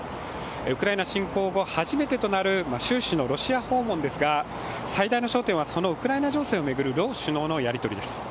ウクライナ侵攻後、初めてとなる習氏のロシア訪問ですが最大の焦点は、そのウクライナ情勢を巡る両首脳のやりとりです。